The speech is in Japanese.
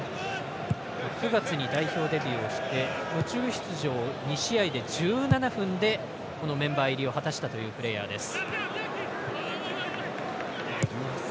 ９月に代表デビューして途中出場２試合で１７分でこのメンバー入りを果たしたというプレーヤーです。